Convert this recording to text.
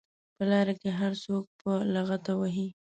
په لار کې هر څوک په لغته وهي.